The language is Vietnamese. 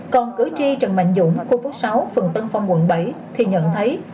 còn cử tri trần mạnh dũng khu phố sáu phường tân phong quận bảy thì nhận thấy